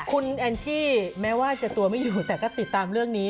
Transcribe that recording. คุณแอนจี้แม้ว่าจะตัวไม่อยู่แต่ก็ติดตามเรื่องนี้